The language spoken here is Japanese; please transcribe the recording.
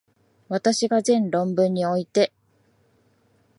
私が前論文において、